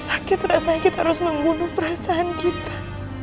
sakit rasanya kita harus membunuh perasaan kita